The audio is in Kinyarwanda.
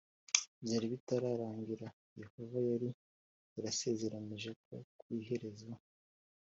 byari bitararangira Yehova yari yarasezeranyije ko ku iherezo